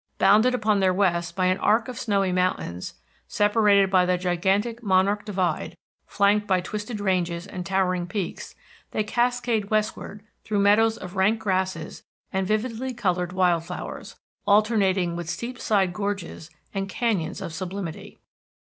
Bounded upon their west by an arc of snowy mountains, separated by the gigantic Monarch Divide, flanked by twisted ranges and towering peaks, they cascade westward through meadows of rank grasses and vividly colored wild flowers, alternating with steep sided gorges and canyons of sublimity.